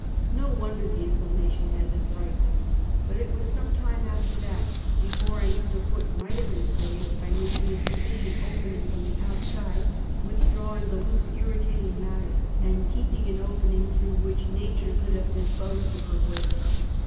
]^o wonder the inflamma tion had been frightful; but it was some time after that before I knew the foot might have been saved by making a sufiicient opening from the outside, with drawing the loose irritating matter, and keeping an opening through which nature could have disposed of her'waste.